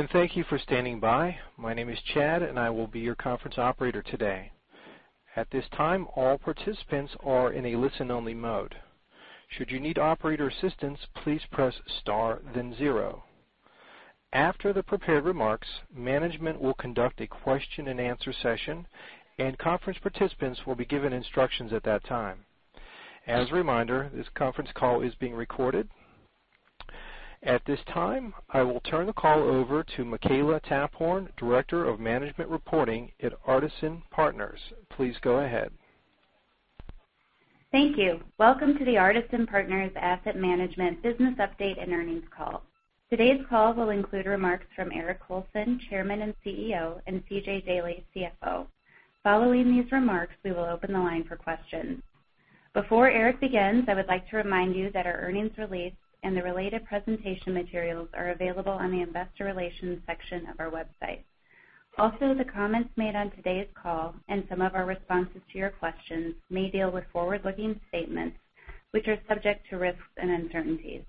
Hello, and thank you for standing by. My name is Chad, and I will be your conference operator today. At this time, all participants are in a listen-only mode. Should you need operator assistance, please press star then zero. After the prepared remarks, management will conduct a question and answer session, and conference participants will be given instructions at that time. As a reminder, this conference call is being recorded. At this time, I will turn the call over to Makela Taphorn, Director of Management Reporting at Artisan Partners. Please go ahead. Thank you. Welcome to the Artisan Partners Asset Management business update and earnings call. Today's call will include remarks from Eric Colson, Chairman and CEO, and C.J. Daley, CFO. Following these remarks, we will open the line for questions. Before Eric begins, I would like to remind you that our earnings release and the related presentation materials are available on the investor relations section of our website. The comments made on today's call and some of our responses to your questions may deal with forward-looking statements, which are subject to risks and uncertainties.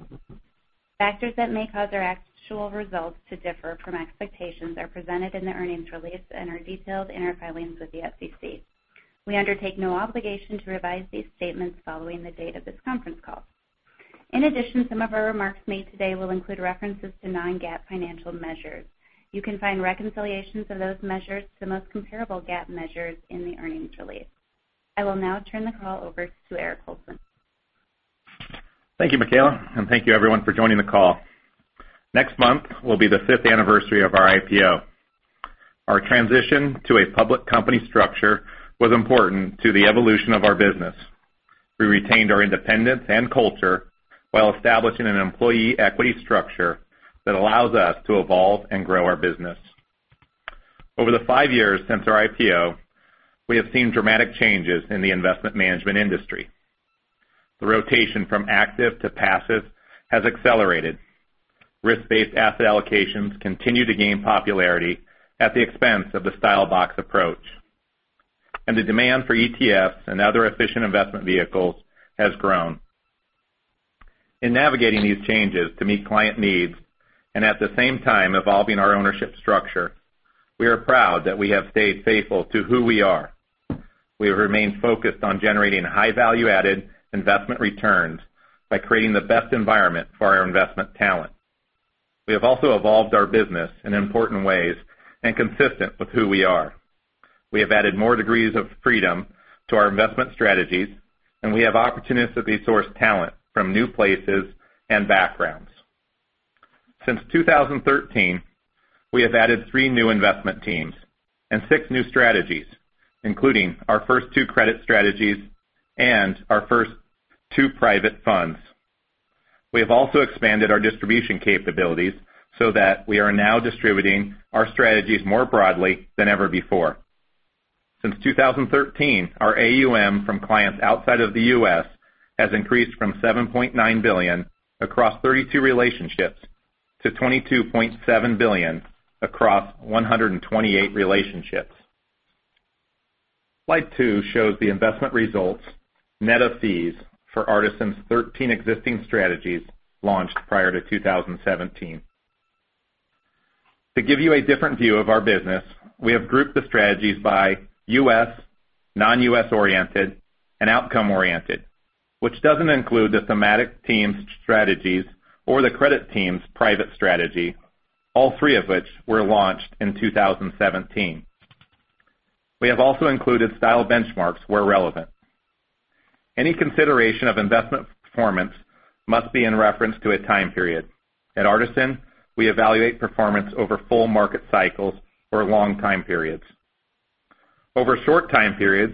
Factors that may cause our actual results to differ from expectations are presented in the earnings release and are detailed in our filings with the SEC. We undertake no obligation to revise these statements following the date of this conference call. In addition, some of our remarks made today will include references to non-GAAP financial measures. You can find reconciliations of those measures to the most comparable GAAP measures in the earnings release. I will now turn the call over to Eric Colson. Thank you, Makela, and thank you everyone for joining the call. Next month will be the fifth anniversary of our IPO. Our transition to a public company structure was important to the evolution of our business. We retained our independence and culture while establishing an employee equity structure that allows us to evolve and grow our business. Over the five years since our IPO, we have seen dramatic changes in the investment management industry. The rotation from active to passive has accelerated. Risk-based asset allocations continue to gain popularity at the expense of the style box approach, and the demand for ETFs and other efficient investment vehicles has grown. In navigating these changes to meet client needs, and at the same time evolving our ownership structure, we are proud that we have stayed faithful to who we are. We have remained focused on generating high value-added investment returns by creating the best environment for our investment talent. We have also evolved our business in important ways and consistent with who we are. We have added more degrees of freedom to our investment strategies, and we have opportunistically sourced talent from new places and backgrounds. Since 2013, we have added three new investment teams and six new strategies, including our first two credit strategies and our first two private funds. We have also expanded our distribution capabilities so that we are now distributing our strategies more broadly than ever before. Since 2013, our AUM from clients outside of the U.S. has increased from $7.9 billion across 32 relationships to $22.7 billion across 128 relationships. Slide two shows the investment results net of fees for Artisan's 13 existing strategies launched prior to 2017. To give you a different view of our business, we have grouped the strategies by U.S., non-U.S. oriented, and outcome oriented, which doesn't include the Thematic Team's strategies or the Credit Team's private strategy, all three of which were launched in 2017. We have also included style benchmarks where relevant. Any consideration of investment performance must be in reference to a time period. At Artisan, we evaluate performance over full market cycles for long time periods. Over short time periods,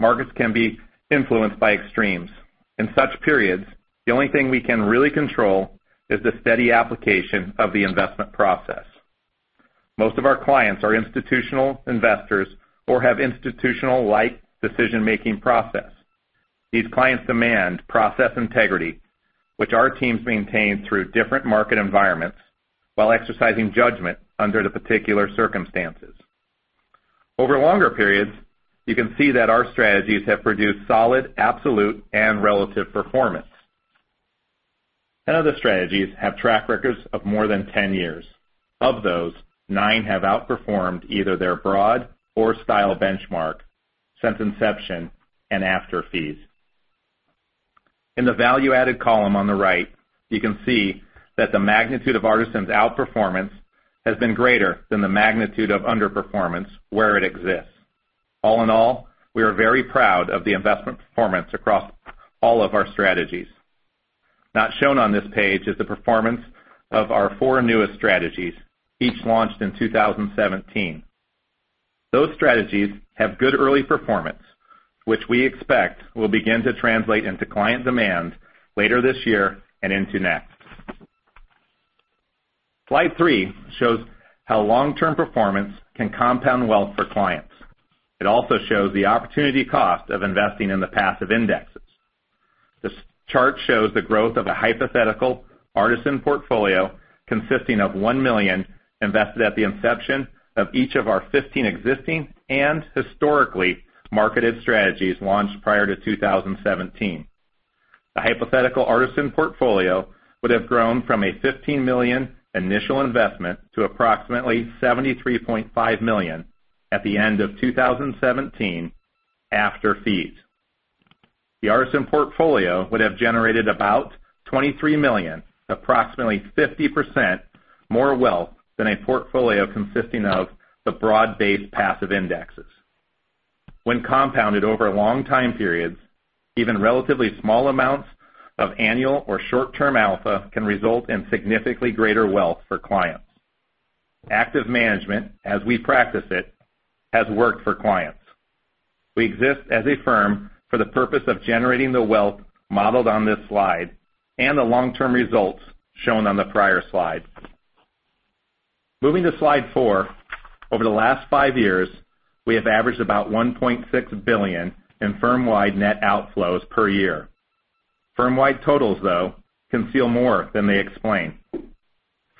markets can be influenced by extremes. In such periods, the only thing we can really control is the steady application of the investment process. Most of our clients are institutional investors or have institutional-like decision-making process. These clients demand process integrity, which our teams maintain through different market environments while exercising judgment under the particular circumstances. Over longer periods, you can see that our strategies have produced solid, absolute, and relative performance. 10 of the strategies have track records of more than 10 years. Of those, nine have outperformed either their broad or style benchmark since inception and after fees. In the value-added column on the right, you can see that the magnitude of Artisan's outperformance has been greater than the magnitude of underperformance where it exists. All in all, we are very proud of the investment performance across all of our strategies. Not shown on this page is the performance of our four newest strategies, each launched in 2017. Those strategies have good early performance, which we expect will begin to translate into client demand later this year and into next. Slide three shows how long-term performance can compound wealth for clients. It also shows the opportunity cost of investing in the passive indexes. This chart shows the growth of a hypothetical Artisan portfolio consisting of $1 million invested at the inception of each of our 15 existing and historically marketed strategies launched prior to 2017. The hypothetical Artisan portfolio would have grown from a $15 million initial investment to approximately $73.5 million at the end of 2017, after fees. The Artisan portfolio would have generated about $23 million, approximately 50% more wealth than a portfolio consisting of the broad-based passive indexes. When compounded over long time periods, even relatively small amounts of annual or short-term alpha can result in significantly greater wealth for clients. Active management, as we practice it, has worked for clients. We exist as a firm for the purpose of generating the wealth modeled on this slide, and the long-term results shown on the prior slide. Moving to slide four. Over the last five years, we have averaged about $1.6 billion in firm-wide net outflows per year. Firm-wide totals, though, conceal more than they explain.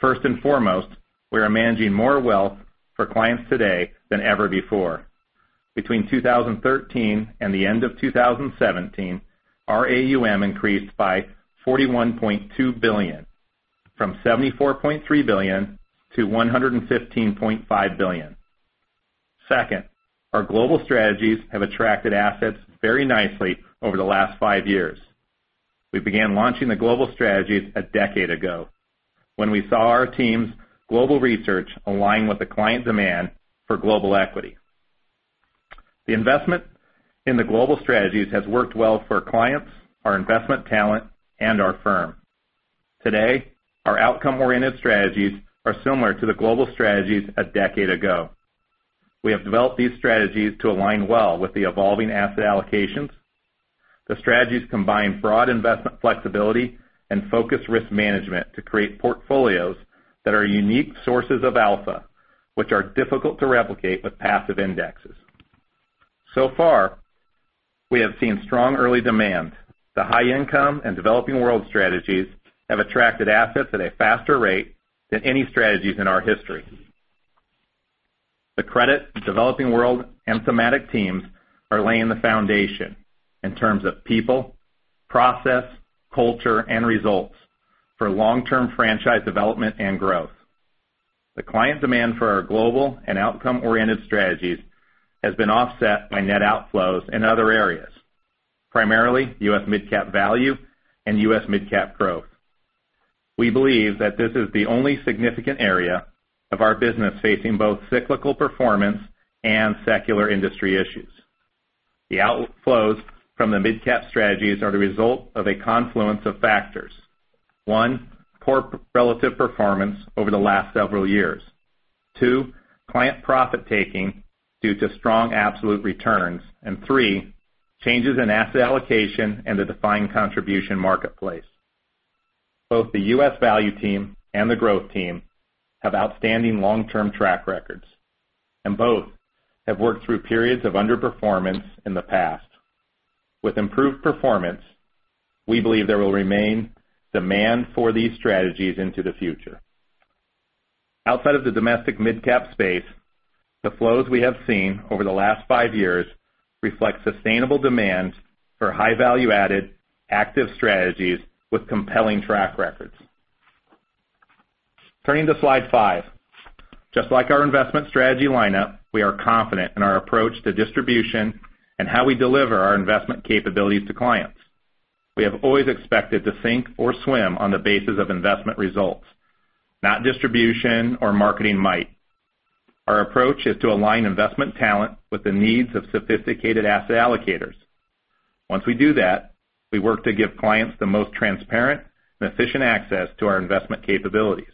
First and foremost, we are managing more wealth for clients today than ever before. Between 2013 and the end of 2017, our AUM increased by $41.2 billion, from $74.3 billion to $115.5 billion. Second, our global strategies have attracted assets very nicely over the last five years. We began launching the global strategies a decade ago, when we saw our team's global research align with the client demand for global equity. The investment in the global strategies has worked well for our clients, our investment talent, and our firm. Today, our outcome-oriented strategies are similar to the global strategies a decade ago. We have developed these strategies to align well with the evolving asset allocations. The strategies combine broad investment flexibility and focused risk management to create portfolios that are unique sources of alpha, which are difficult to replicate with passive indexes. Far, we have seen strong early demand. The High Income and Developing World strategies have attracted assets at a faster rate than any strategies in our history. The Credit, Developing World, and Thematic Teams are laying the foundation in terms of people, process, culture, and results for long-term franchise development and growth. The client demand for our global and outcome-oriented strategies has been offset by net outflows in other areas, primarily U.S. Mid-Cap Value and U.S. Mid-Cap Growth. The outflows from the mid-cap strategies are the result of a confluence of factors. One, poor relative performance over the last several years. Two, client profit-taking due to strong absolute returns. Three, changes in asset allocation and the defined contribution marketplace. Both the U.S. value team and the growth team have outstanding long-term track records, and both have worked through periods of underperformance in the past. With improved performance, we believe there will remain demand for these strategies into the future. Outside of the domestic mid-cap space, the flows we have seen over the last five years reflect sustainable demand for high value-added active strategies with compelling track records. Turning to slide five. Just like our investment strategy lineup, we are confident in our approach to distribution and how we deliver our investment capabilities to clients. We have always expected to sink or swim on the basis of investment results, not distribution or marketing might. Our approach is to align investment talent with the needs of sophisticated asset allocators. Once we do that, we work to give clients the most transparent and efficient access to our investment capabilities.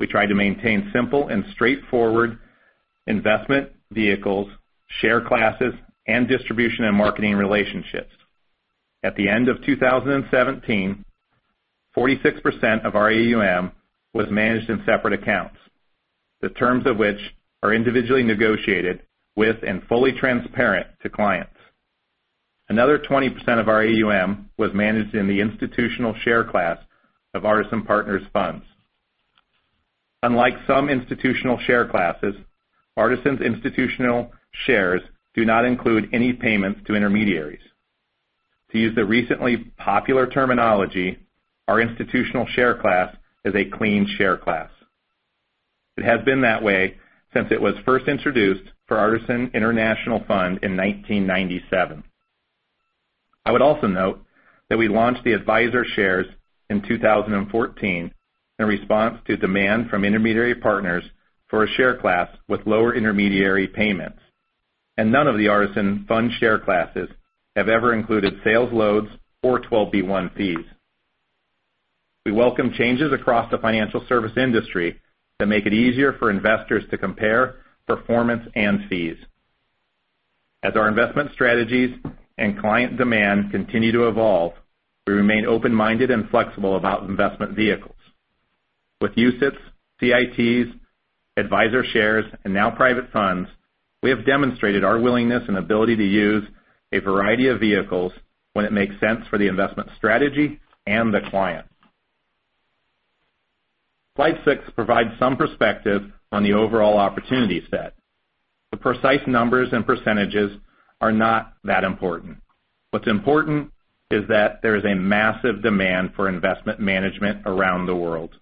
We try to maintain simple and straightforward investment vehicles, share classes, and distribution and marketing relationships. At the end of 2017, 46% of our AUM was managed in separate accounts, the terms of which are individually negotiated with and fully transparent to clients. Another 20% of our AUM was managed in the institutional share class of Artisan Partners Funds. Unlike some institutional share classes, Artisan's institutional shares do not include any payments to intermediaries. To use the recently popular terminology, our institutional share class is a clean share class. It has been that way since it was first introduced for Artisan International Fund in 1997. I would also note that we launched the advisor shares in 2014 in response to demand from intermediary partners for a share class with lower intermediary payments, and none of the Artisan fund share classes have ever included sales loads or 12b-1 fees. We welcome changes across the financial service industry that make it easier for investors to compare performance and fees. As our investment strategies and client demand continue to evolve, we remain open-minded and flexible about investment vehicles. With UCITS, CITs, advisor shares, and now private funds, we have demonstrated our willingness and ability to use a variety of vehicles when it makes sense for the investment strategy and the client. Slide six provides some perspective on the overall opportunity set. The precise numbers and percentages are not that important. What's important is that there is a massive demand for investment management around the world.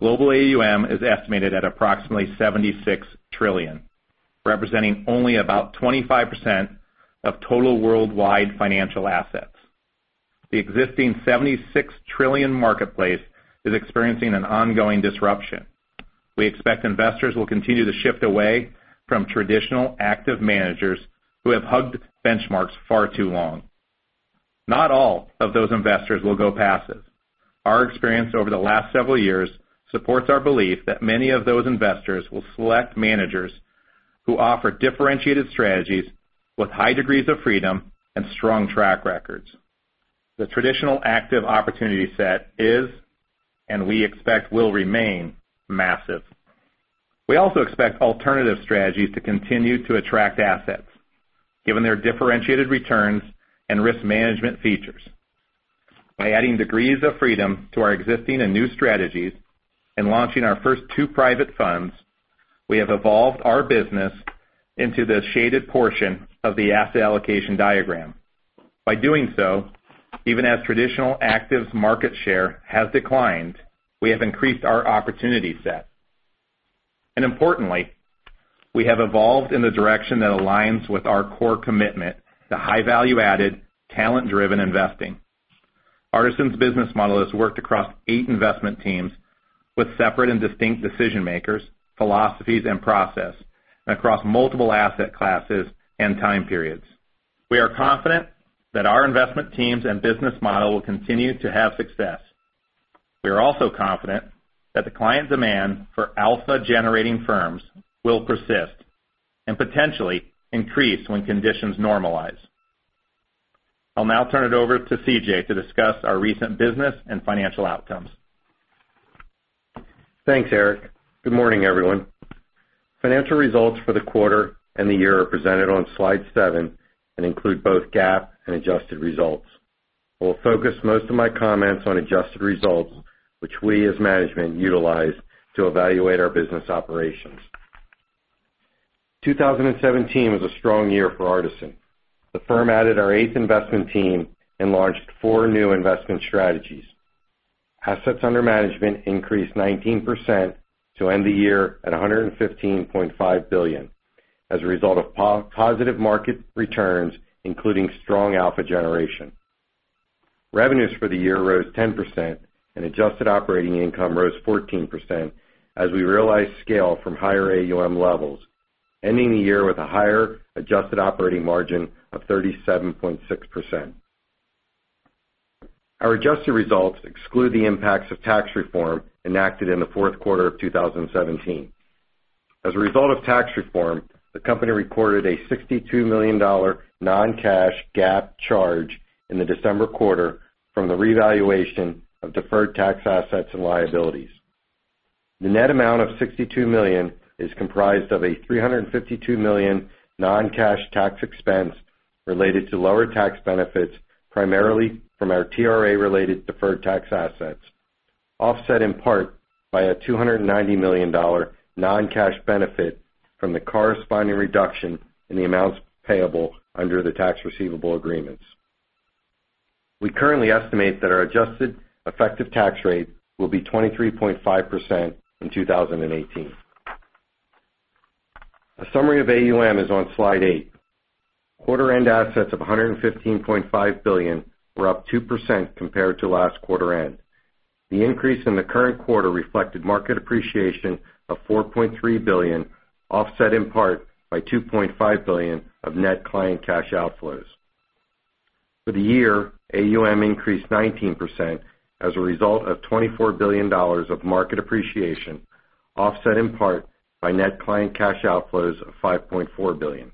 Global AUM is estimated at approximately $76 trillion, representing only about 25% of total worldwide financial assets. The existing $76 trillion marketplace is experiencing an ongoing disruption. We expect investors will continue to shift away from traditional active managers who have hugged benchmarks far too long. Not all of those investors will go passive. Our experience over the last several years supports our belief that many of those investors will select managers who offer differentiated strategies with high degrees of freedom and strong track records. The traditional active opportunity set is, and we expect will remain, massive. We also expect alternative strategies to continue to attract assets, given their differentiated returns and risk management features. By adding degrees of freedom to our existing and new strategies and launching our first two private funds, we have evolved our business into the shaded portion of the asset allocation diagram. By doing so, even as traditional actives market share has declined, we have increased our opportunity set. Importantly, we have evolved in the direction that aligns with our core commitment to high value-added, talent-driven investing. Artisan's business model has worked across eight investment teams with separate and distinct decision-makers, philosophies, and process, and across multiple asset classes and time periods. We are confident that our investment teams and business model will continue to have success. We are also confident that the client demand for alpha-generating firms will persist, and potentially increase when conditions normalize. I'll now turn it over to C.J. to discuss our recent business and financial outcomes. Thanks, Eric. Good morning, everyone. Financial results for the quarter and the year are presented on slide seven and include both GAAP and adjusted results. I will focus most of my comments on adjusted results, which we, as management, utilize to evaluate our business operations. 2017 was a strong year for Artisan. The firm added our eighth investment team and launched four new investment strategies. Assets under management increased 19% to end the year at $115.5 billion as a result of positive market returns, including strong alpha generation. Revenues for the year rose 10%, and adjusted operating income rose 14% as we realized scale from higher AUM levels, ending the year with a higher adjusted operating margin of 37.6%. Our adjusted results exclude the impacts of tax reform enacted in the fourth quarter of 2017. As a result of tax reform, the company recorded a $62 million non-cash GAAP charge in the December quarter from the revaluation of deferred tax assets and liabilities. The net amount of $62 million is comprised of a $352 million non-cash tax expense related to lower tax benefits, primarily from our TRA-related deferred tax assets, offset in part by a $290 million non-cash benefit from the corresponding reduction in the amounts payable under the tax receivable agreements. We currently estimate that our adjusted effective tax rate will be 23.5% in 2018. A summary of AUM is on slide eight. Quarter-end assets of $115.5 billion were up 2% compared to last quarter end. The increase in the current quarter reflected market appreciation of $4.3 billion, offset in part by $2.5 billion of net client cash outflows. For the year, AUM increased 19% as a result of $24 billion of market appreciation, offset in part by net client cash outflows of $5.4 billion.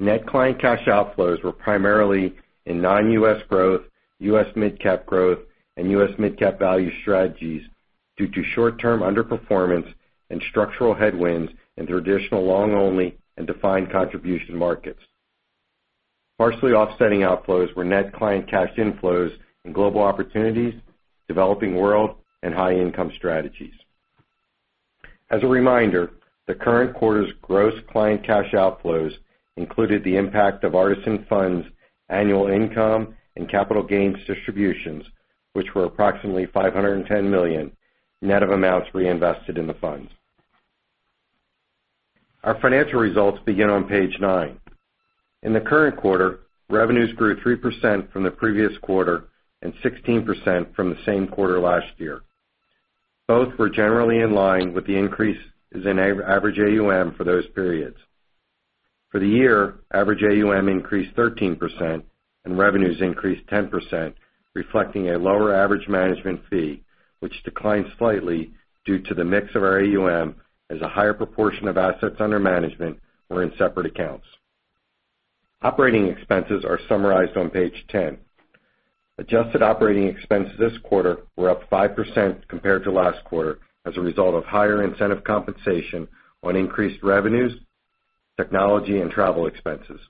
Net client cash outflows were primarily in Non-U.S. growth, U.S. Mid-Cap Growth, and U.S. Mid-Cap Value strategies due to short-term underperformance and structural headwinds in traditional long-only and defined contribution markets. Partially offsetting outflows were net client cash inflows in Global Opportunities, Developing World, and high income strategies. As a reminder, the current quarter's gross client cash outflows included the impact of Artisan funds' annual income and capital gains distributions, which were approximately $510 million, net of amounts reinvested in the funds. Our financial results begin on page nine. In the current quarter, revenues grew 3% from the previous quarter and 16% from the same quarter last year. Both were generally in line with the increases in average AUM for those periods. For the year, average AUM increased 13% and revenues increased 10%, reflecting a lower average management fee, which declined slightly due to the mix of our AUM as a higher proportion of assets under management were in separate accounts. Operating expenses are summarized on page 10. Adjusted operating expenses this quarter were up 5% compared to last quarter as a result of higher incentive compensation on increased revenues, technology, and travel expenses.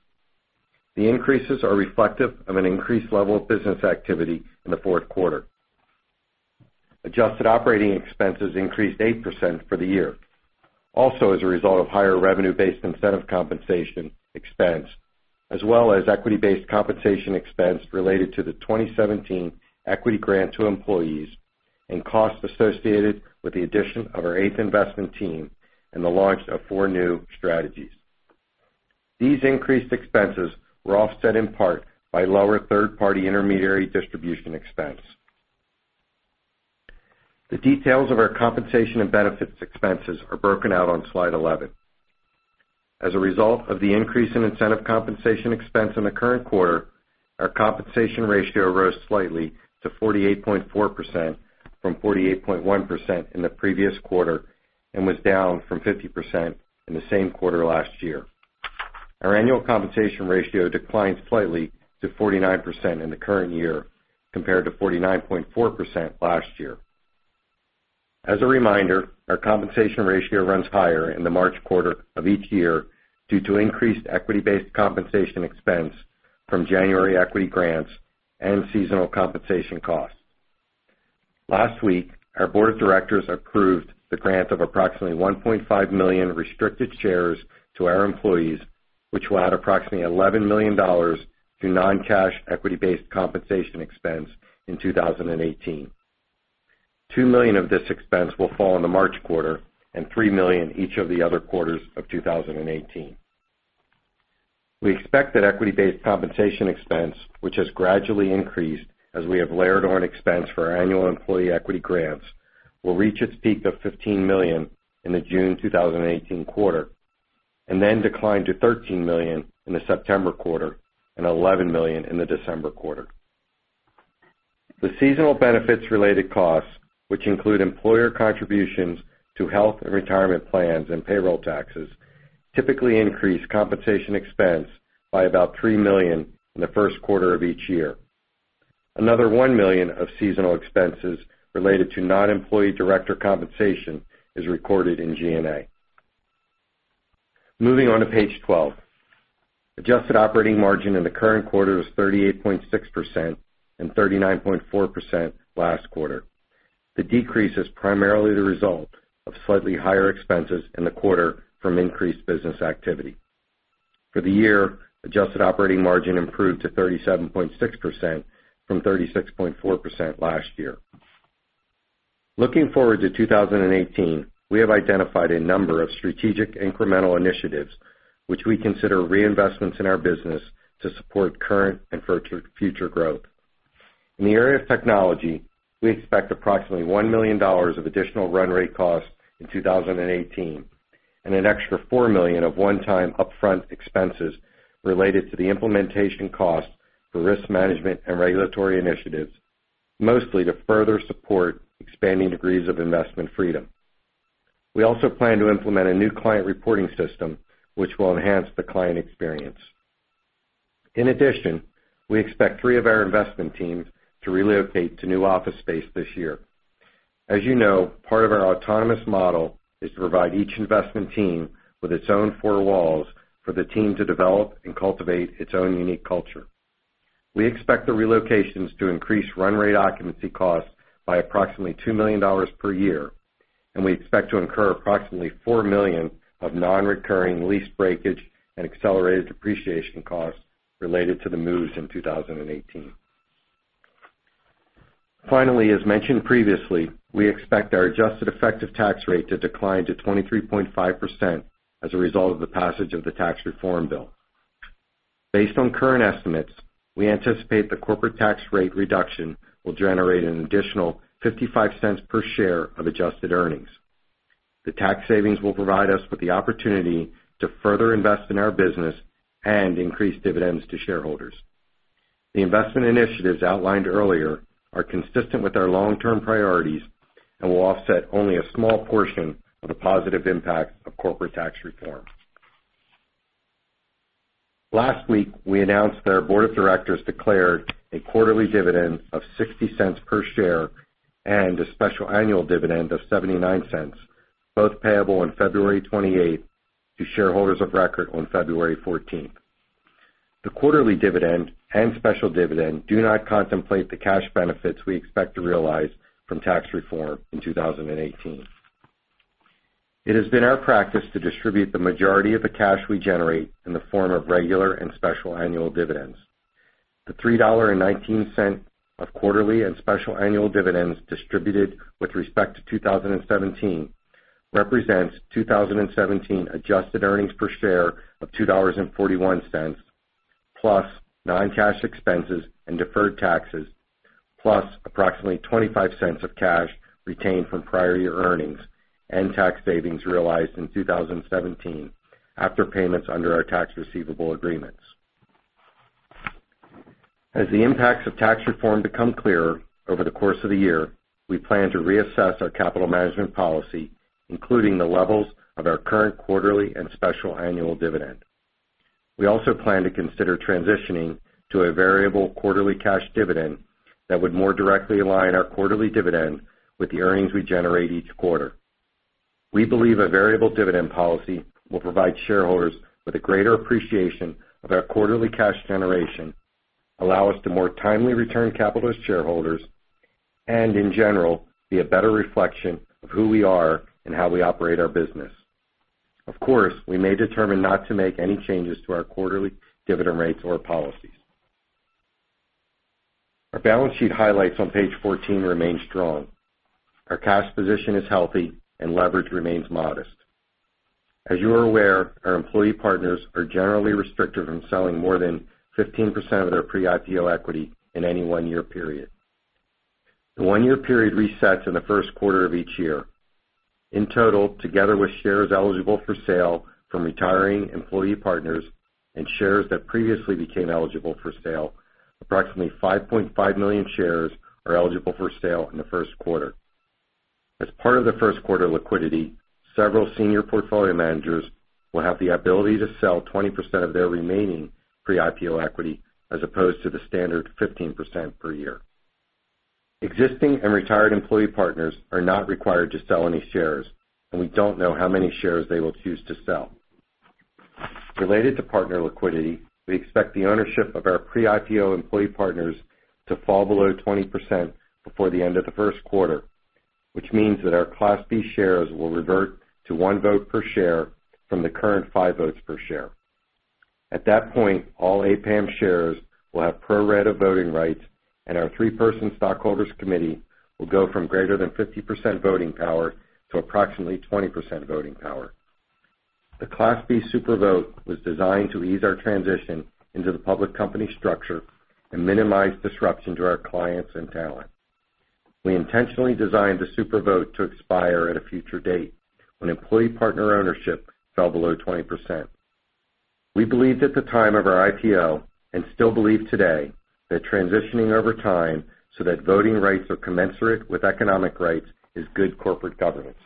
The increases are reflective of an increased level of business activity in the fourth quarter. Adjusted operating expenses increased 8% for the year, also as a result of higher revenue-based incentive compensation expense, as well as equity-based compensation expense related to the 2017 equity grant to employees, and costs associated with the addition of our eighth investment team and the launch of four new strategies. These increased expenses were offset in part by lower third-party intermediary distribution expense. The details of our compensation and benefits expenses are broken out on slide 11. As a result of the increase in incentive compensation expense in the current quarter, our compensation ratio rose slightly to 48.4% from 48.1% in the previous quarter, and was down from 50% in the same quarter last year. Our annual compensation ratio declined slightly to 49% in the current year, compared to 49.4% last year. As a reminder, our compensation ratio runs higher in the March quarter of each year due to increased equity-based compensation expense from January equity grants and seasonal compensation costs. Last week, our board of directors approved the grant of approximately 1.5 million restricted shares to our employees, which will add approximately $11 million to non-cash equity-based compensation expense in 2018. $2 million of this expense will fall in the March quarter, and $3 million each of the other quarters of 2018. We expect that equity-based compensation expense, which has gradually increased as we have layered on expense for our annual employee equity grants, will reach its peak of $15 million in the June 2018 quarter, then decline to $13 million in the September quarter and $11 million in the December quarter. The seasonal benefits related costs, which include employer contributions to health and retirement plans and payroll taxes, typically increase compensation expense by about $3 million in the first quarter of each year. Another $1 million of seasonal expenses related to non-employee director compensation is recorded in G&A. Moving on to page 12. Adjusted operating margin in the current quarter was 38.6% and 39.4% last quarter. The decrease is primarily the result of slightly higher expenses in the quarter from increased business activity. For the year, adjusted operating margin improved to 37.6% from 36.4% last year. Looking forward to 2018, we have identified a number of strategic incremental initiatives, which we consider reinvestments in our business to support current and future growth. In the area of technology, we expect approximately $1 million of additional run rate costs in 2018 and an extra $4 million of one-time upfront expenses related to the implementation costs for risk management and regulatory initiatives, mostly to further support expanding degrees of investment freedom. We also plan to implement a new client reporting system which will enhance the client experience. In addition, we expect three of our investment teams to relocate to new office space this year. As you know, part of our autonomous model is to provide each investment team with its own four walls for the team to develop and cultivate its own unique culture. We expect the relocations to increase run rate occupancy costs by approximately $2 million per year, and we expect to incur approximately $4 million of non-recurring lease breakage and accelerated depreciation costs related to the moves in 2018. As mentioned previously, we expect our adjusted effective tax rate to decline to 23.5% as a result of the passage of the tax reform bill. Based on current estimates, we anticipate the corporate tax rate reduction will generate an additional $0.55 per share of adjusted earnings. The tax savings will provide us with the opportunity to further invest in our business and increase dividends to shareholders. The investment initiatives outlined earlier are consistent with our long-term priorities and will offset only a small portion of the positive impact of corporate tax reform. Last week, we announced that our board of directors declared a quarterly dividend of $0.60 per share and a special annual dividend of $0.79, both payable on February 28th to shareholders of record on February 14th. The quarterly dividend and special dividend do not contemplate the cash benefits we expect to realize from tax reform in 2018. It has been our practice to distribute the majority of the cash we generate in the form of regular and special annual dividends. The $3.19 of quarterly and special annual dividends distributed with respect to 2017 represents 2017 adjusted earnings per share of $2.41, plus non-cash expenses and deferred taxes, plus approximately $0.25 of cash retained from prior year earnings and tax savings realized in 2017 after payments under our tax receivable agreements. As the impacts of tax reform become clearer over the course of the year, we plan to reassess our capital management policy, including the levels of our current quarterly and special annual dividend. We also plan to consider transitioning to a variable quarterly cash dividend that would more directly align our quarterly dividend with the earnings we generate each quarter. We believe a variable dividend policy will provide shareholders with a greater appreciation of our quarterly cash generation, allow us to more timely return capital to shareholders, and in general, be a better reflection of who we are and how we operate our business. Of course, we may determine not to make any changes to our quarterly dividend rates or policies. Our balance sheet highlights on page 14 remain strong. Our cash position is healthy, and leverage remains modest. As you are aware, our employee partners are generally restricted from selling more than 15% of their pre-IPO equity in any one-year period. The one-year period resets in the first quarter of each year. In total, together with shares eligible for sale from retiring employee partners and shares that previously became eligible for sale, approximately 5.5 million shares are eligible for sale in the first quarter. As part of the first quarter liquidity, several senior portfolio managers will have the ability to sell 20% of their remaining pre-IPO equity as opposed to the standard 15% per year. Existing and retired employee partners are not required to sell any shares, and we don't know how many shares they will choose to sell. Related to partner liquidity, we expect the ownership of our pre-IPO employee partners to fall below 20% before the end of the first quarter, which means that our Class B shares will revert to one vote per share from the current five votes per share. At that point, all APAM shares will have pro rata voting rights, and our three-person stockholders committee will go from greater than 50% voting power to approximately 20% voting power. The Class B super vote was designed to ease our transition into the public company structure and minimize disruption to our clients and talent. We intentionally designed the super vote to expire at a future date when employee partner ownership fell below 20%. We believed at the time of our IPO and still believe today that transitioning over time so that voting rights are commensurate with economic rights is good corporate governance.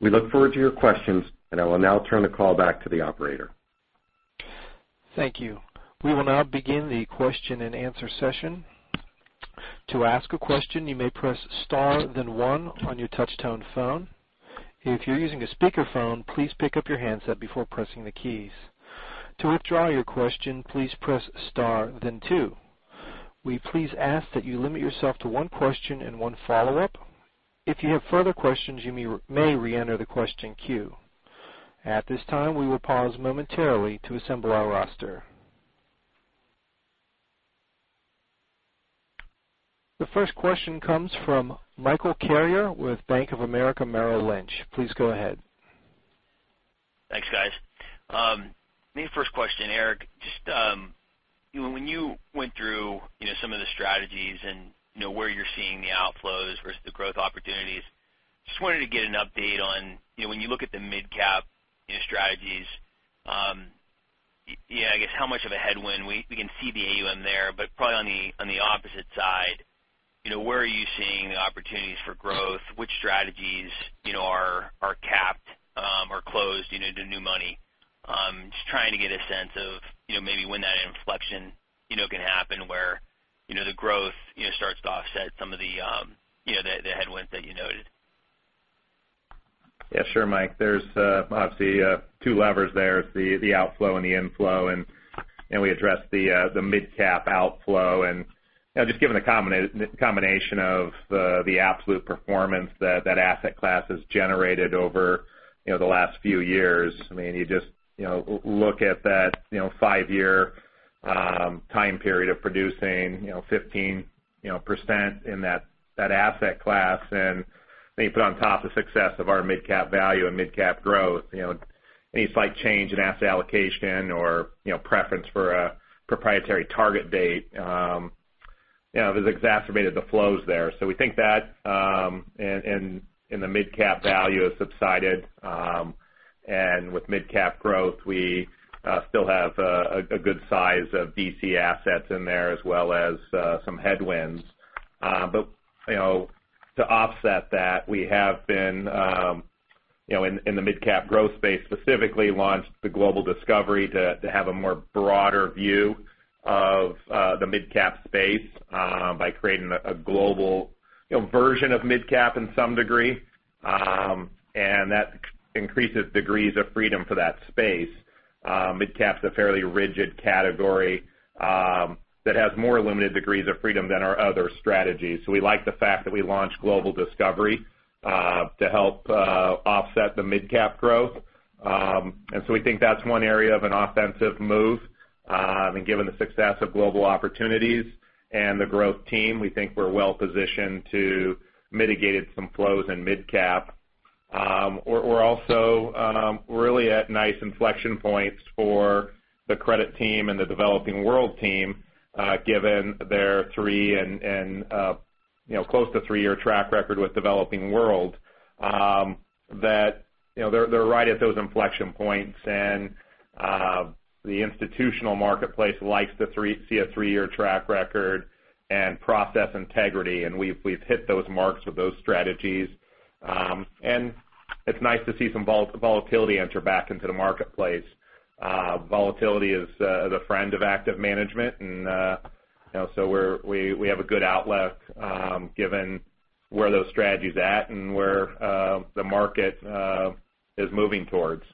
We look forward to your questions. I will now turn the call back to the operator. Thank you. We will now begin the question and answer session. To ask a question, you may press star then one on your touch-tone phone. If you're using a speakerphone, please pick up your handset before pressing the keys. To withdraw your question, please press star then two. We please ask that you limit yourself to one question and one follow-up. If you have further questions, you may reenter the question queue. At this time, we will pause momentarily to assemble our roster. The first question comes from Michael Carrier with Bank of America Merrill Lynch. Please go ahead. Thanks, guys. The first question, Eric. Just when you went through some of the strategies and where you're seeing the outflows versus the growth opportunities, just wanted to get an update on when you look at the mid-cap strategies, I guess, how much of a headwind we can see the AUM there, but probably on the opposite side, where are you seeing the opportunities for growth? Which strategies are capped or closed to new money? Just trying to get a sense of maybe when that inflection can happen where the growth starts to offset some of the headwinds that you noted. Yeah, sure, Mike. There's obviously two levers there, the outflow and the inflow. We addressed the mid-cap outflow. Just given the combination of the absolute performance that that asset class has generated over the last few years, you just look at that five-year time period of producing 15% in that asset class, and you put on top the success of our mid-cap value and mid-cap growth, any slight change in asset allocation or preference for a proprietary target date has exacerbated the flows there. We think that in the mid-cap value has subsided. With mid-cap growth, we still have a good size of DC assets in there as well as some headwinds. To offset that, we have been, in the mid-cap growth space, specifically launched the Global Discovery to have a more broader view of the mid-cap space by creating a global version of mid-cap in some degree, and that increases degrees of freedom for that space. Mid-cap is a fairly rigid category that has more limited degrees of freedom than our other strategies. We like the fact that we launched Global Discovery to help offset the mid-cap growth. Given the success of Global Opportunities and the growth team, we think we're well positioned to mitigate some flows in mid-cap. We're also really at nice inflection points for the Credit Team and the Developing World team, given their close to three-year track record with Developing World, that they're right at those inflection points. The institutional marketplace likes to see a 3-year track record and process integrity, and we've hit those marks with those strategies. It's nice to see some volatility enter back into the marketplace. Volatility is a friend of active management, we have a good outlook given where those strategies are at and where the market is moving towards.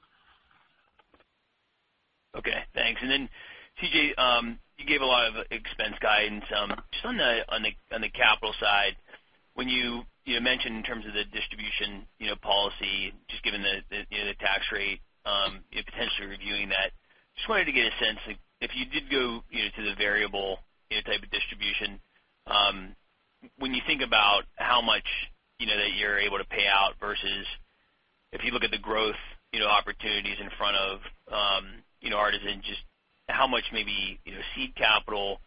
Okay, thanks. C.J., you gave a lot of expense guidance. Just on the capital side, when you mentioned in terms of the distribution policy, just given the tax rate, potentially reviewing that, just wanted to get a sense of, if you did go to the variable type of distribution, when you think about how much that you're able to pay out versus if you look at the growth opportunities in front of Artisan, just how much maybe seed capital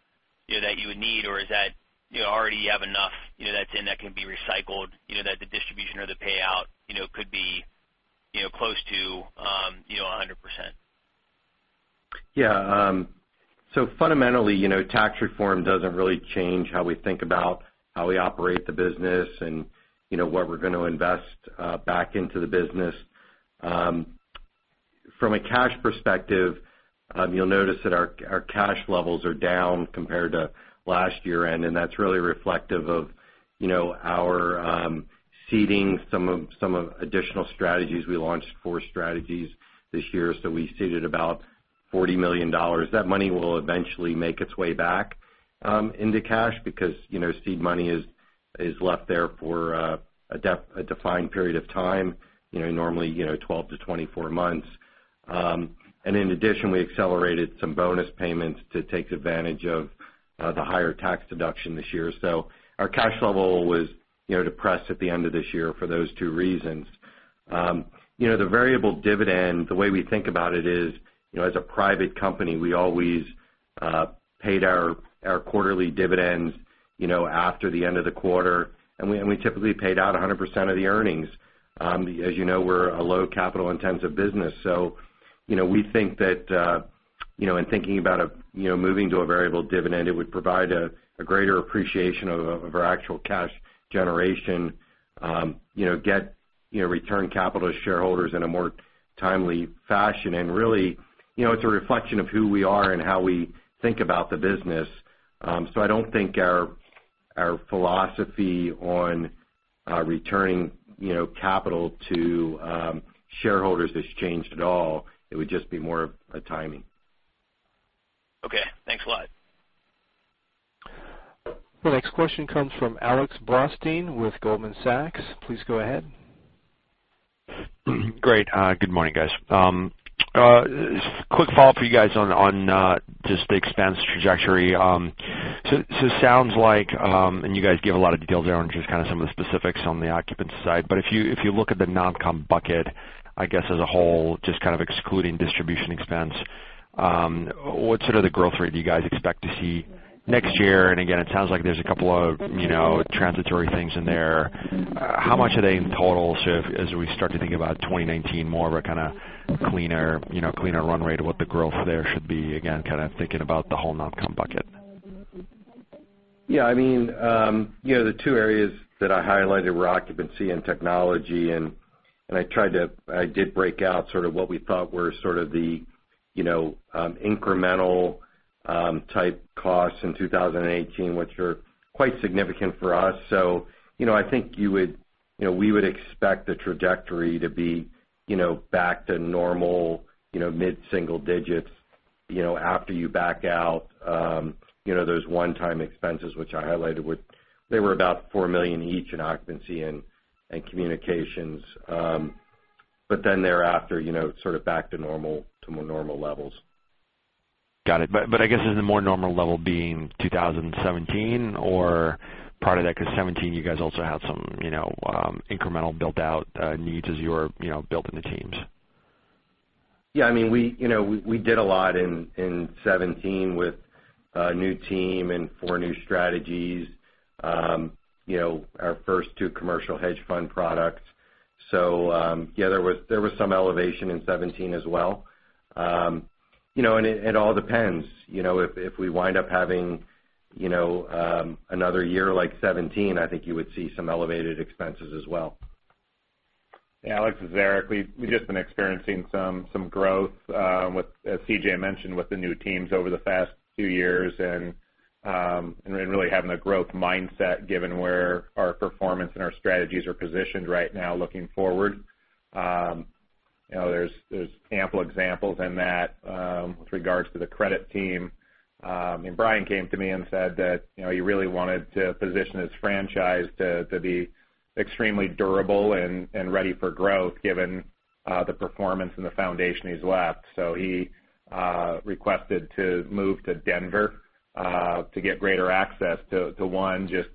that you would need, or is that you already have enough that's in that can be recycled, that the distribution or the payout could be close to 100%? Yeah. Fundamentally, tax reform doesn't really change how we think about how we operate the business and what we're going to invest back into the business. From a cash perspective, you'll notice that our cash levels are down compared to last year, and that's really reflective of our seeding some additional strategies. We launched four strategies this year, we seeded about $40 million. That money will eventually make its way back into cash because seed money is left there for a defined period of time, normally 12 to 24 months. In addition, we accelerated some bonus payments to take advantage of the higher tax deduction this year. Our cash level was depressed at the end of this year for those two reasons. The variable dividend, the way we think about it is, as a private company, we always paid our quarterly dividends after the end of the quarter. We typically paid out 100% of the earnings. As you know, we're a low capital intensive business, so we think that in thinking about moving to a variable dividend, it would provide a greater appreciation of our actual cash generation, get return capital to shareholders in a more timely fashion. Really, it's a reflection of who we are and how we think about the business. I don't think our philosophy on returning capital to shareholders has changed at all. It would just be more of timing. Okay. Thanks a lot. The next question comes from Alex Blostein with Goldman Sachs. Please go ahead. Great. Good morning, guys. Quick follow-up for you guys on just the expense trajectory. It sounds like, and you guys give a lot of details there on just kind of some of the specifics on the occupancy side. If you look at the non-comp bucket, I guess as a whole, just kind of excluding distribution expense, what sort of the growth rate do you guys expect to see next year? Again, it sounds like there's a couple of transitory things in there. How much are they in total as we start to think about 2019, more of a kind of cleaner run rate of what the growth there should be? Again, kind of thinking about the whole non-comp bucket. Yeah. I did break out sort of what we thought were sort of the incremental type costs in 2018, which are quite significant for us. I think we would expect the trajectory to be back to normal mid-single digits after you back out those one-time expenses, which I highlighted. They were about $4 million each in occupancy and communications. Thereafter, sort of back to normal levels. Got it. I guess is the more normal level being 2017 or part of that? Because 2017, you guys also had some incremental built-out needs as you were building the teams. Yeah. We did a lot in 2017 with a new team and four new strategies. Our first two commercial hedge fund products. Yeah, there was some elevation in 2017 as well. It all depends. If we wind up having another year like 2017, I think you would see some elevated expenses as well. Yeah. Alex, it's Eric. We've just been experiencing some growth, as C.J. mentioned, with the new teams over the past few years and really having a growth mindset given where our performance and our strategies are positioned right now looking forward. There's ample examples in that with regards to the Credit Team. Bryan came to me and said that he really wanted to position his franchise to be extremely durable and ready for growth given the performance and the foundation he's left. He requested to move to Denver to get greater access to, one, just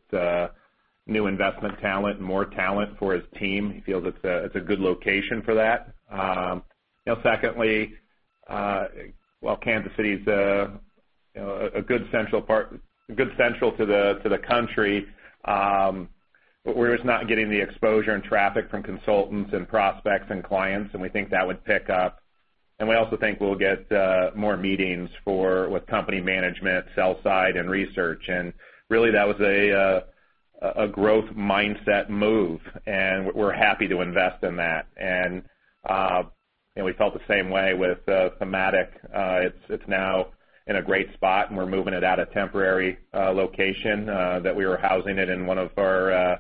new investment talent and more talent for his team. He feels it's a good location for that. Secondly, while Kansas City is a good central to the country, we're just not getting the exposure and traffic from consultants and prospects and clients. We think that would pick up. We also think we'll get more meetings with company management, sell side, and research. Really, that was a growth mindset move, and we're happy to invest in that. We felt the same way with Thematic. It's now in a great spot, and we're moving it out of temporary location that we were housing it in one of our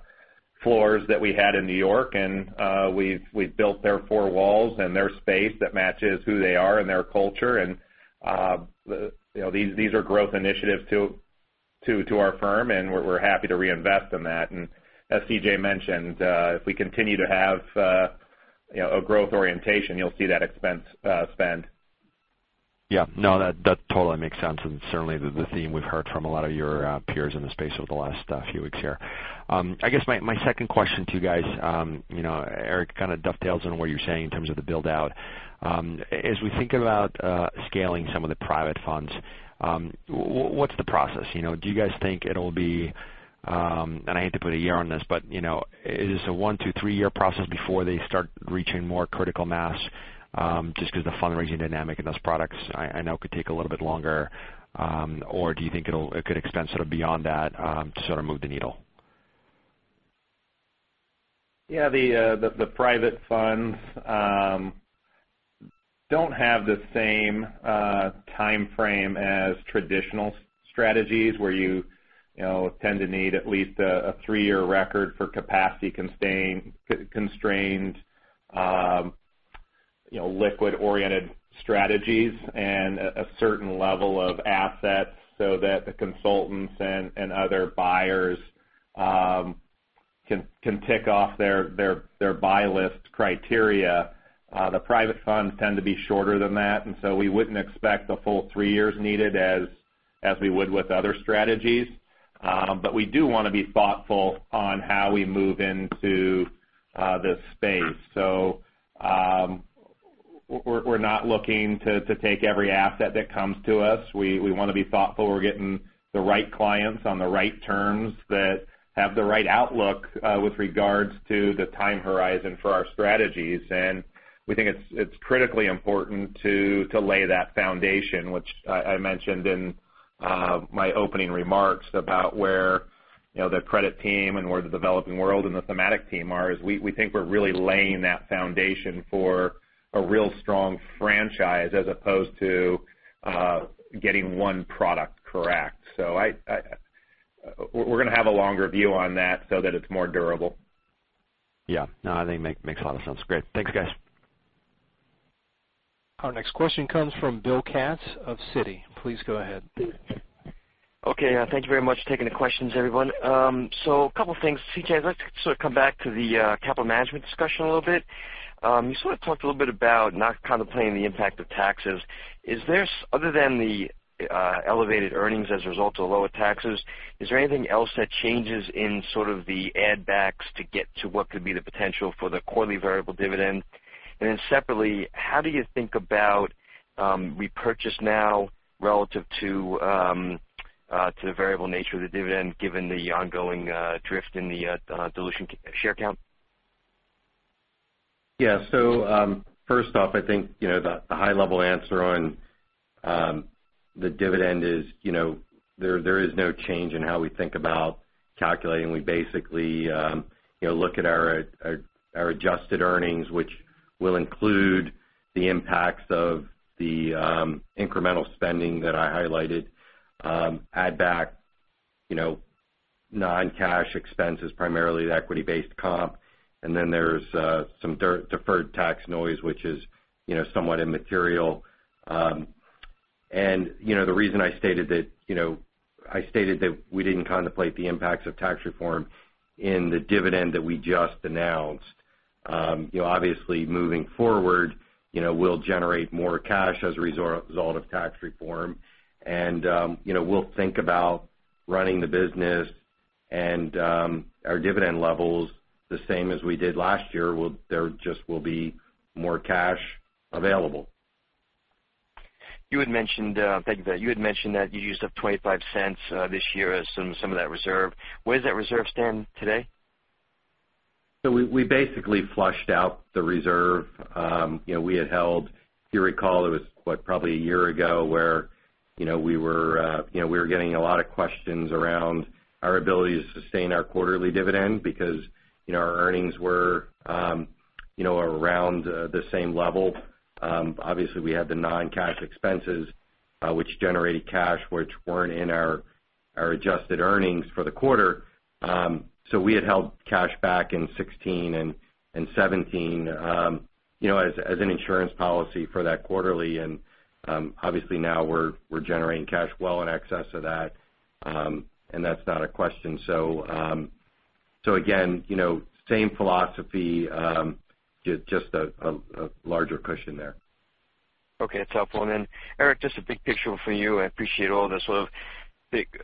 floors that we had in New York. We've built their four walls and their space that matches who they are and their culture. These are growth initiatives to our firm, and we're happy to reinvest in that. As C.J. mentioned, if we continue to have a growth orientation, you'll see that expense spend. Yeah. No, that totally makes sense. Certainly, the theme we've heard from a lot of your peers in the space over the last few weeks here. I guess my second question to you guys, Eric, kind of dovetails on what you're saying in terms of the build-out. As we think about scaling some of the private funds, what's the process? Do you guys think it'll be I hate to put a year on this, but is this a 1 to 3-year process before they start reaching more critical mass? Just because the fundraising dynamic in those products I know could take a little bit longer. Do you think it could extend sort of beyond that to sort of move the needle? Yeah. The private funds don't have the same timeframe as traditional strategies where you tend to need at least a three-year record for capacity-constrained liquid-oriented strategies and a certain level of assets so that the consultants and other buyers can tick off their buy list criteria. The private funds tend to be shorter than that. We wouldn't expect the full three years needed as we would with other strategies. We do want to be thoughtful on how we move into this space. We're not looking to take every asset that comes to us. We want to be thoughtful we're getting the right clients on the right terms that have the right outlook with regards to the time horizon for our strategies. We think it's critically important to lay that foundation, which I mentioned in my opening remarks about where the Credit Team and where the Developing World and the Thematic Team are, is we think we're really laying that foundation for a real strong franchise as opposed to getting one product correct. We're going to have a longer view on that so that it's more durable. Yeah. No, I think it makes a lot of sense. Great. Thanks, guys. Our next question comes from Bill Katz of Citi. Please go ahead, Bill. Okay. Thank you very much for taking the questions, everyone. A couple things. C.J., I'd like to sort of come back to the capital management discussion a little bit. You sort of talked a little bit about not contemplating the impact of taxes. Other than the elevated earnings as a result of lower taxes, is there anything else that changes in sort of the add backs to get to what could be the potential for the quarterly variable dividend? Separately, how do you think about repurchase now relative to the variable nature of the dividend, given the ongoing drift in the dilution share count? Yeah. First off, I think, the high-level answer on the dividend is there is no change in how we think about calculating. We basically look at our adjusted earnings, which will include the impacts of the incremental spending that I highlighted. Add back non-cash expenses, primarily the equity-based comp. Then there's some deferred tax noise, which is somewhat immaterial. The reason I stated that we didn't contemplate the impacts of tax reform in the dividend that we just announced. Obviously, moving forward, we'll generate more cash as a result of tax reform. We'll think about running the business and our dividend levels the same as we did last year. There just will be more cash available. Thank you for that. You had mentioned that you used up $0.25 this year as some of that reserve. Where does that reserve stand today? We basically flushed out the reserve. We had held, if you recall, it was probably a year ago, where we were getting a lot of questions around our ability to sustain our quarterly dividend because our earnings were around the same level. Obviously, we had the non-cash expenses, which generated cash, which weren't in our adjusted earnings for the quarter. We had held cash back in 2016 and 2017 as an insurance policy for that quarterly. Obviously, now we're generating cash well in excess of that. That's not a question. Again, same philosophy, just a larger cushion there. Okay. It's helpful. Eric, just a big picture for you. I appreciate all the sort of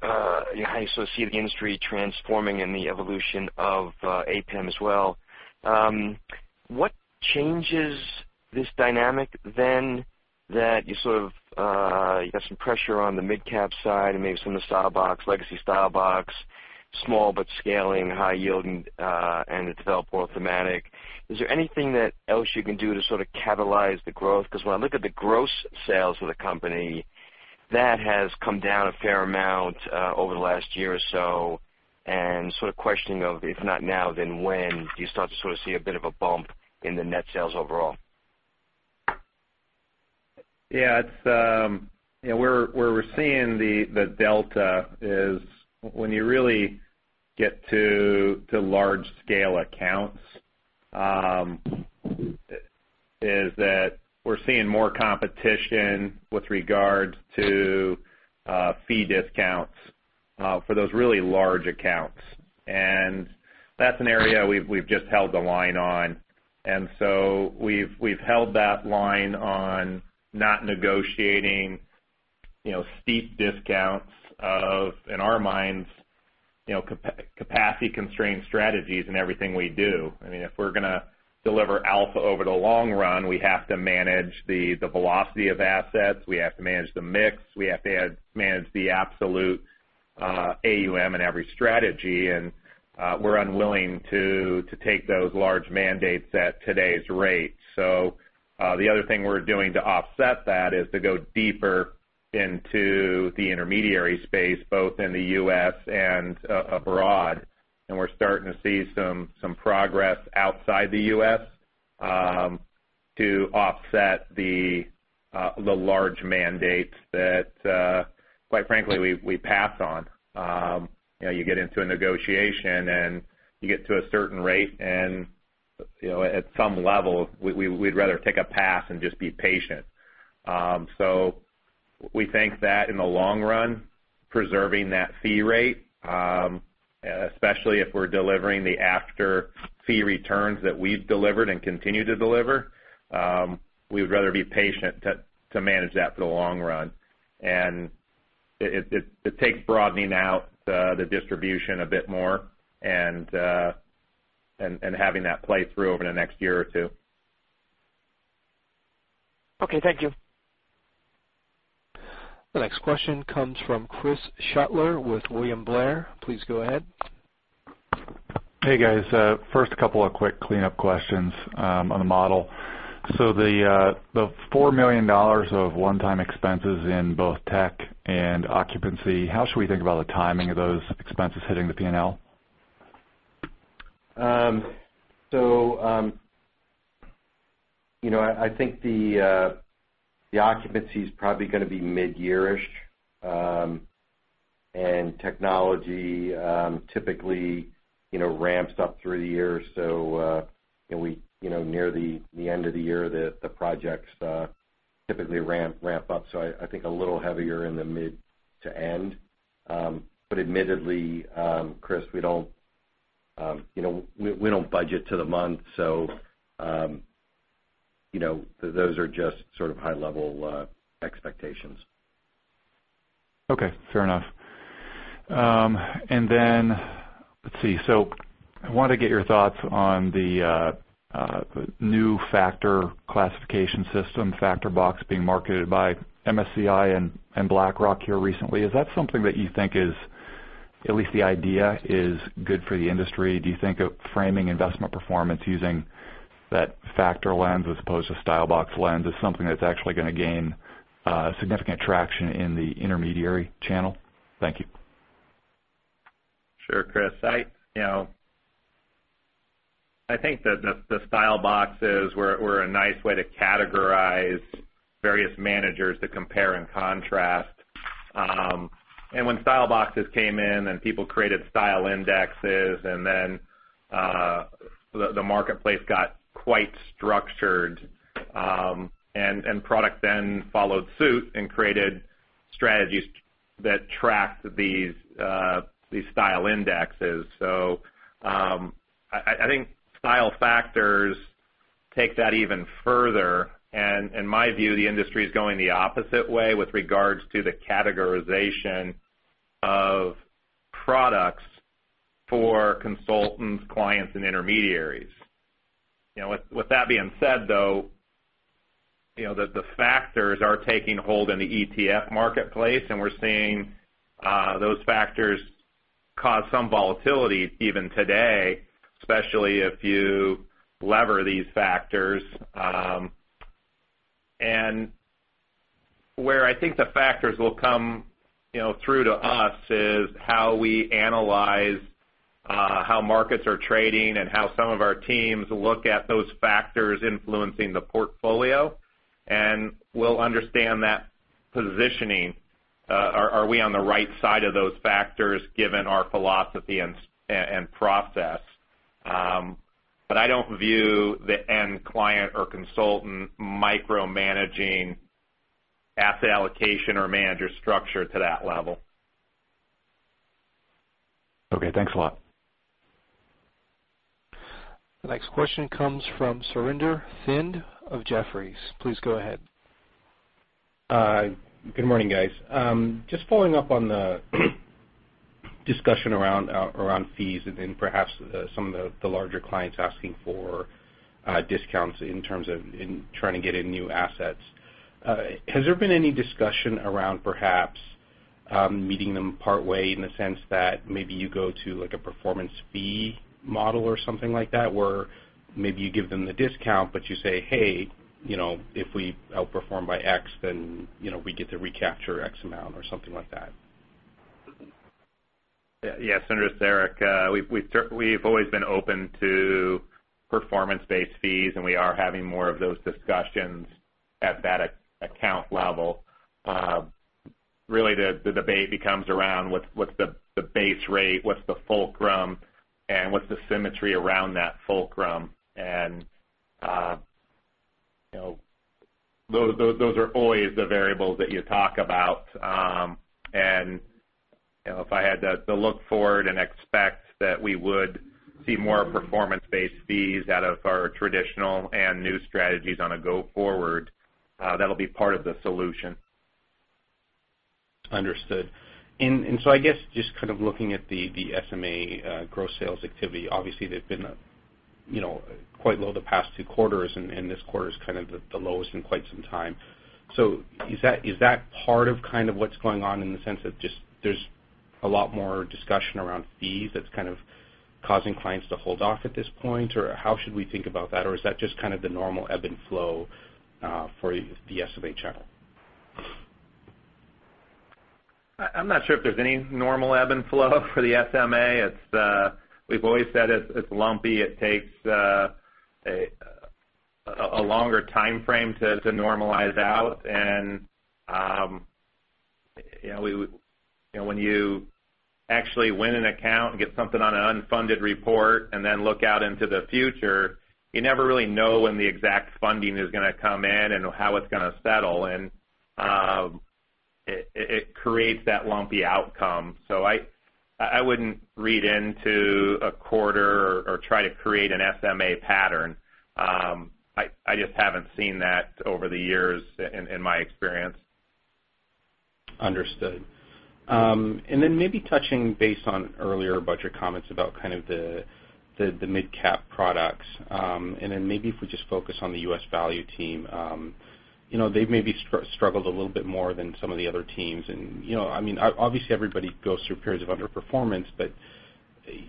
how you sort of see the industry transforming and the evolution of APAM as well. What changes this dynamic then that you sort of got some pressure on the mid-cap side and maybe some of the style box, legacy style box, small but scaling high yield and it's Developing World, Thematic. Is there anything else you can do to sort of catalyze the growth? When I look at the gross sales for the company, that has come down a fair amount over the last year or so, and sort of questioning of, if not now, then when do you start to sort of see a bit of a bump in the net sales overall? Yeah. Where we're seeing the delta is when you really get to large-scale accounts, is that we're seeing more competition with regards to fee discounts for those really large accounts. That's an area we've just held the line on. We've held that line on not negotiating steep discounts of, in our minds, capacity-constrained strategies in everything we do. If we're going to deliver alpha over the long run, we have to manage the velocity of assets, we have to manage the mix, we have to manage the absolute AUM in every strategy. We're unwilling to take those large mandates at today's rate. The other thing we're doing to offset that is to go deeper into the intermediary space, both in the U.S. and abroad. We're starting to see some progress outside the U.S. to offset the large mandates that, quite frankly, we pass on. You get into a negotiation, you get to a certain rate. At some level, we'd rather take a pass and just be patient. We think that in the long run, preserving that fee rate, especially if we're delivering the after fee returns that we've delivered and continue to deliver, we would rather be patient to manage that for the long run. It takes broadening out the distribution a bit more and having that play through over the next year or two. Okay. Thank you. The next question comes from Chris Shutler with William Blair. Please go ahead. Hey, guys. First, a couple of quick cleanup questions on the model. The $4 million of one-time expenses in both tech and occupancy, how should we think about the timing of those expenses hitting the P&L? I think the occupancy is probably going to be midyear-ish. Technology typically ramps up through the year. Near the end of the year, the projects typically ramp up. I think a little heavier in the mid to end. Admittedly, Chris, we don't budget to the month, those are just sort of high-level expectations. Okay. Fair enough. Let's see. I wanted to get your thoughts on the new factor classification system, Factor Box, being marketed by MSCI and BlackRock here recently. Is that something that you think is, at least the idea, is good for the industry? Do you think of framing investment performance using that factor lens as opposed to style box lens as something that's actually going to gain significant traction in the intermediary channel? Thank you. Sure, Chris. I think that the style boxes were a nice way to categorize various managers to compare and contrast. When style boxes came in, people created style indexes, then the marketplace got quite structured, and product then followed suit and created strategies that tracked these style indexes. I think style factors take that even further. In my view, the industry is going the opposite way with regards to the categorization of products for consultants, clients, and intermediaries. With that being said, though, the factors are taking hold in the ETFs marketplace, and we're seeing those factors cause some volatility even today, especially if you lever these factors. Where I think the factors will come through to us is how we analyze how markets are trading and how some of our teams look at those factors influencing the portfolio. We'll understand that positioning. Are we on the right side of those factors given our philosophy and process? I don't view the end client or consultant micromanaging asset allocation or manager structure to that level. Okay. Thanks a lot. The next question comes from Surinder Thind of Jefferies. Please go ahead. Good morning, guys. Just following up on the discussion around fees, and then perhaps some of the larger clients asking for discounts in terms of trying to get in new assets. Has there been any discussion around perhaps meeting them partway in the sense that maybe you go to a performance fee model or something like that, where maybe you give them the discount, but you say, "Hey, if we outperform by X, then we get to recapture X amount," or something like that? Yes. Interesting, Eric. We've always been open to performance-based fees, and we are having more of those discussions at that account level. Really, the debate becomes around what's the base rate, what's the fulcrum, and what's the symmetry around that fulcrum. Those are always the variables that you talk about. If I had to look forward and expect that we would see more performance-based fees out of our traditional and new strategies on a go forward, that'll be part of the solution. Understood. I guess just looking at the SMA gross sales activity. Obviously, they've been quite low the past two quarters, and this quarter is the lowest in quite some time. Is that part of what's going on in the sense of just there's a lot more discussion around fees that's causing clients to hold off at this point, or how should we think about that? Is that just the normal ebb and flow for the SMA channel? I'm not sure if there's any normal ebb and flow for the SMA. We've always said it's lumpy. It takes a longer timeframe to normalize out. When you actually win an account and get something on an unfunded report and then look out into the future, you never really know when the exact funding is going to come in and how it's going to settle. It creates that lumpy outcome. I wouldn't read into a quarter or try to create an SMA pattern. I just haven't seen that over the years in my experience. Understood. Maybe touching base on earlier, a bunch of comments about the mid-cap products. Maybe if we just focus on the U.S. Value team. They've maybe struggled a little bit more than some of the other teams. Obviously, everybody goes through periods of underperformance, but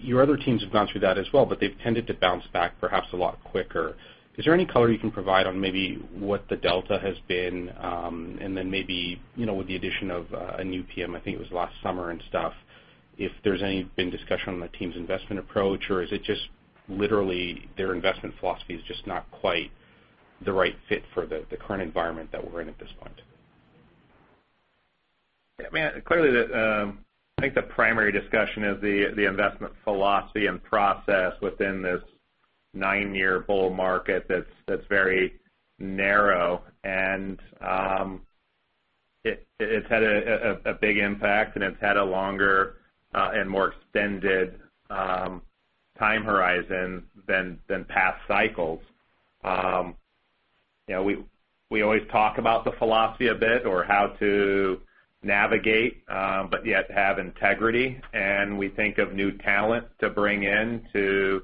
your other teams have gone through that as well, but they've tended to bounce back perhaps a lot quicker. Is there any color you can provide on maybe what the delta has been? Then maybe with the addition of a new PM, I think it was last summer and stuff, if there's any been discussion on the team's investment approach, is it just literally their investment philosophy is just not quite the right fit for the current environment that we're in at this point? Clearly, I think the primary discussion is the investment philosophy and process within this nine-year bull market that's very narrow. It's had a big impact, and it's had a longer and more extended time horizon than past cycles. We always talk about the philosophy a bit or how to navigate, but yet have integrity. We think of new talent to bring in to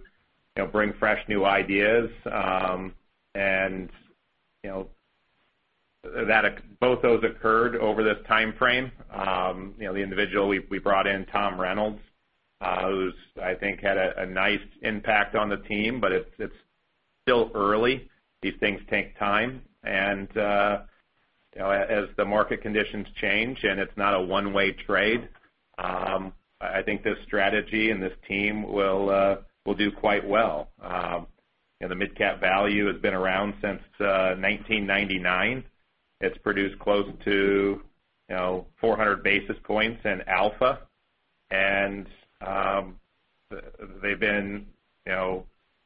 bring fresh new ideas. Both those occurred over this timeframe. The individual we brought in, Tom Reynolds, who's I think had a nice impact on the team, but it's still early. These things take time. As the market conditions change, and it's not a one-way trade, I think this strategy and this team will do quite well. The mid-cap value has been around since 1999. It's produced close to 400 basis points in alpha. They've been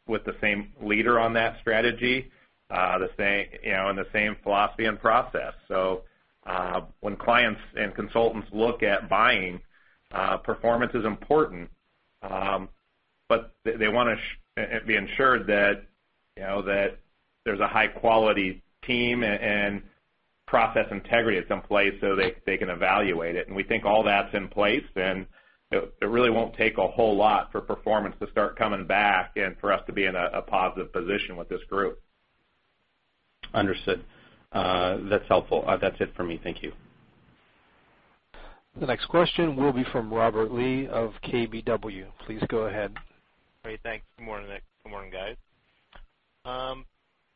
with the same leader on that strategy and the same philosophy and process. When clients and consultants look at buying, performance is important. They want to be ensured that there's a high-quality team and process integrity is in place so they can evaluate it. We think all that's in place, and it really won't take a whole lot for performance to start coming back and for us to be in a positive position with this group. Understood. That's helpful. That's it for me. Thank you. The next question will be from Robert Lee of KBW. Please go ahead. Great. Thanks. Good morning. Good morning, guys.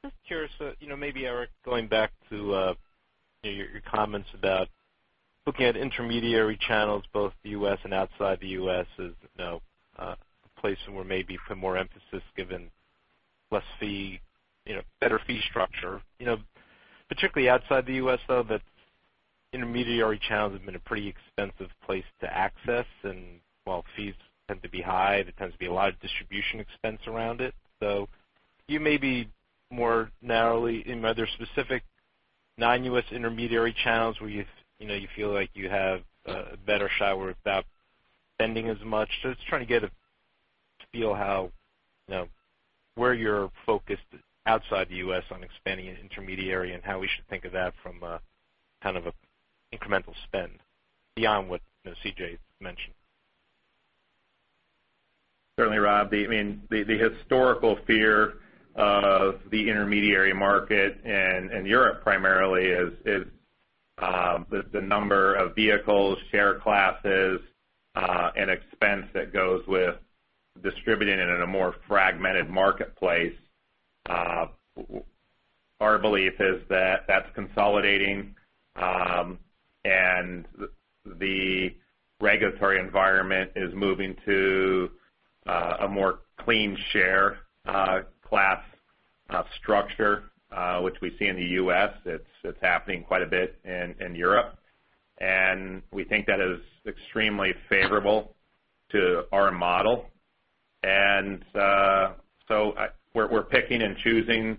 Just curious, maybe Eric, going back to your comments about looking at intermediary channels, both the U.S. and outside the U.S., as a place where maybe put more emphasis given better fee structure. Particularly outside the U.S., though, that intermediary channels have been a pretty expensive place to access. While fees tend to be high, there tends to be a lot of distribution expense around it. You may be more narrowly in other specific non-U.S. intermediary channels where you feel like you have a better shot without spending as much. Just trying to get a feel how where you're focused outside the U.S. on expanding an intermediary and how we should think of that from an incremental spend beyond what C.J. mentioned. Certainly, Rob. The historical fear of the intermediary market in Europe primarily is the number of vehicles, share classes, and expense that goes with distributing it in a more fragmented marketplace. Our belief is that that's consolidating, and the regulatory environment is moving to a more clean share class structure, which we see in the U.S. It's happening quite a bit in Europe. We think that is extremely favorable to our model. We're picking and choosing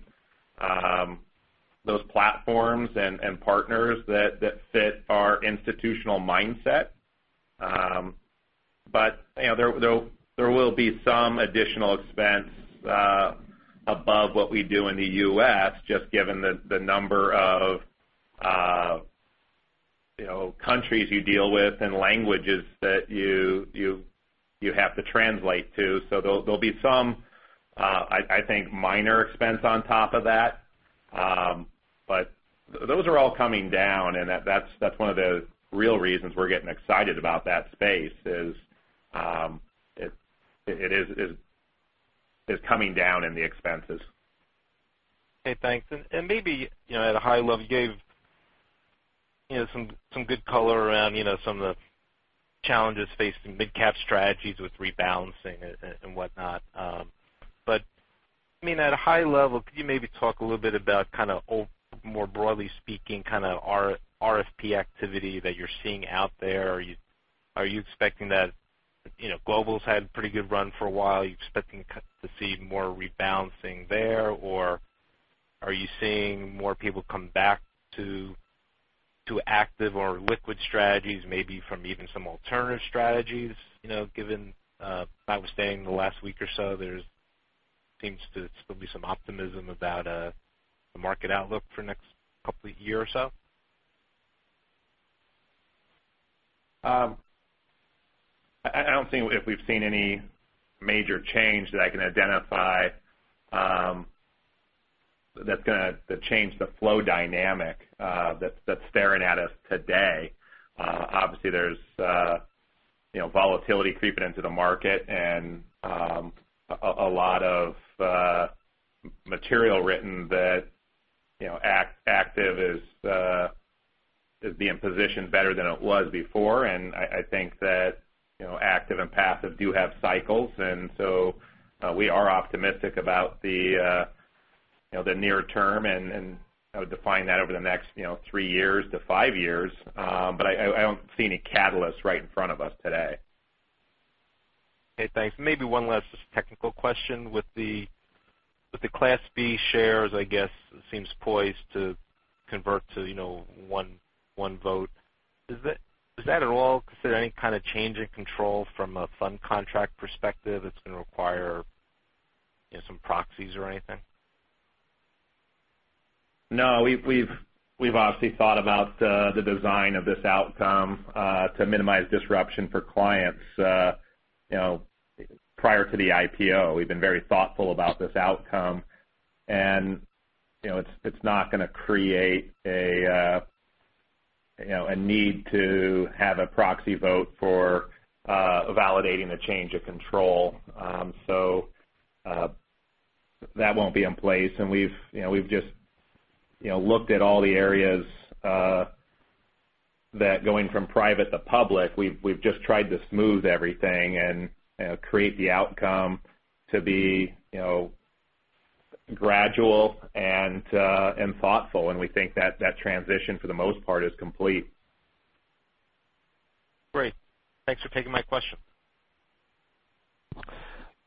those platforms and partners that fit our institutional mindset. There will be some additional expense above what we do in the U.S., just given the number of countries you deal with and languages that you have to translate to. There'll be some, I think, minor expense on top of that. Those are all coming down, and that's one of the real reasons we're getting excited about that space is it is coming down in the expenses. Okay, thanks. Maybe at a high level, you gave some good color around some of the challenges facing mid-cap strategies with rebalancing and whatnot. At a high level, could you maybe talk a little bit about more broadly speaking, kind of RFP activity that you're seeing out there? Are you expecting that global's had a pretty good run for a while. Are you expecting to see more rebalancing there? Are you seeing more people come back to active or liquid strategies, maybe from even some alternative strategies, given, I was saying the last week or so, there seems to still be some optimism about the market outlook for the next couple of years or so? I don't think if we've seen any major change that I can identify that's going to change the flow dynamic that's staring at us today. Obviously, there's volatility creeping into the market and a lot of material written that active is being positioned better than it was before. I think that active and passive do have cycles. We are optimistic about the near term. I would define that over the next three years to five years. I don't see any catalyst right in front of us today. Okay, thanks. Maybe one last technical question with the Class B shares, I guess, seems poised to convert to one vote. Does that at all consider any kind of change in control from a fund contract perspective that's going to require some proxies or anything? We've obviously thought about the design of this outcome to minimize disruption for clients. Prior to the IPO, we've been very thoughtful about this outcome. It's not going to create a need to have a proxy vote for validating the change of control. That won't be in place. We've just looked at all the areas that going from private to public, we've just tried to smooth everything and create the outcome to be gradual and thoughtful, and we think that transition, for the most part, is complete. Great. Thanks for taking my question.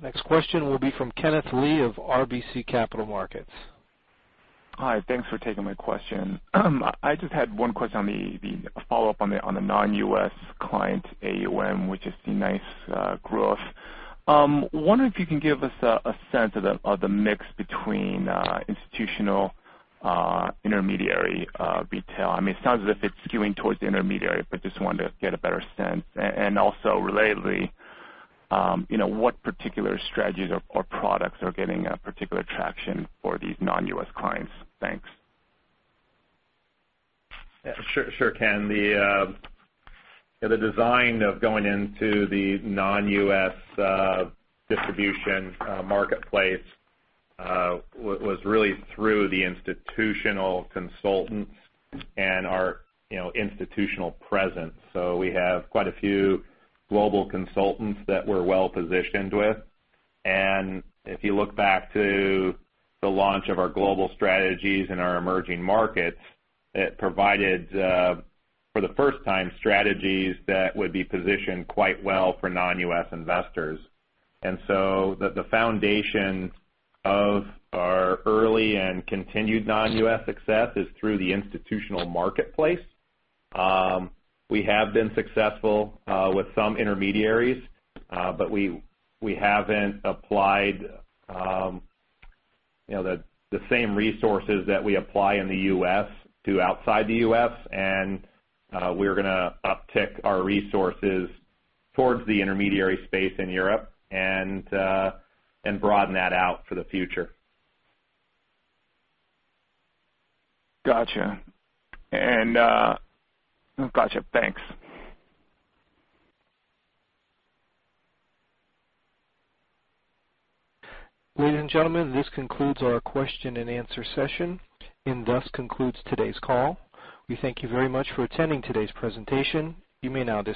Next question will be from Kenneth Lee of RBC Capital Markets. Hi, thanks for taking my question. I just had one question on the follow-up on the non-US client AUM, which has seen nice growth. Wondering if you can give us a sense of the mix between institutional intermediary retail. It sounds as if it's skewing towards the intermediary, but just wanted to get a better sense. Also relatedly, what particular strategies or products are getting a particular traction for these non-US clients? Thanks. Sure, Ken. The design of going into the non-US distribution marketplace was really through the institutional consultant and our institutional presence. We have quite a few global consultants that we're well-positioned with. If you look back to the launch of our global strategies in our emerging markets, it provided, for the first time, strategies that would be positioned quite well for non-US investors. The foundation of our early and continued non-US success is through the institutional marketplace. We have been successful with some intermediaries, but we haven't applied the same resources that we apply in the U.S. to outside the U.S., and we're going to uptick our resources towards the intermediary space in Europe and broaden that out for the future. Got you. Thanks. Ladies and gentlemen, this concludes our question and answer session, and thus concludes today's call. We thank you very much for attending today's presentation. You may now disconnect.